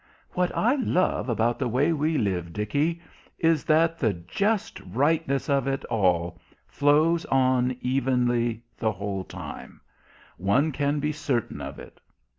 "What I love about the way we live, Dickie, is that the just rightness of it all flows on evenly the whole time; one can be certain of it.